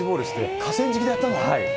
河川敷でやったの？